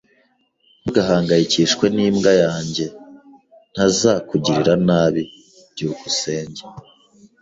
Ntugahangayikishwe n'imbwa yanjye. Ntazakugirira nabi. byukusenge